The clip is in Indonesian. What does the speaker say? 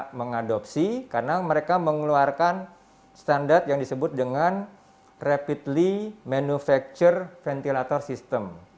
kami tidak mengadopsi karena mereka mengeluarkan standar yang disebut dengan rapidly manufactured ventilator system